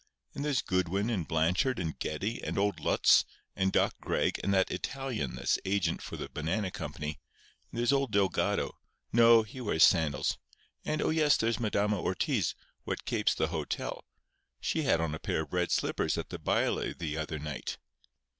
"And there's Goodwin and Blanchard and Geddie and old Lutz and Doc Gregg and that Italian that's agent for the banana company, and there's old Delgado—no; he wears sandals. And, oh, yes; there's Madama Ortiz, 'what kapes the hotel'—she had on a pair of red slippers at the baile the other night.